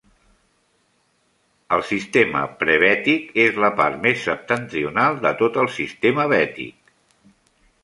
El sistema Prebètic és la part més septentrional de tot el sistema Bètic.